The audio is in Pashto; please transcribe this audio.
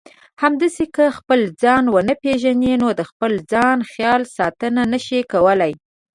همداسې که خپل ځان ونه پېژنئ نو د خپل ځان خیال ساتنه نشئ کولای.